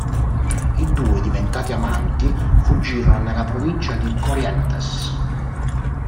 I due, diventati amanti, fuggirono nella provincia di Corrientes.